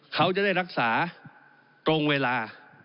เขาจะได้รักษาตรงเวลา